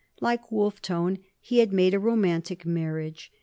Like Wolfe Tone, he had made a romantic marriage.